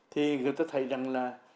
thì người ta thấy rằng là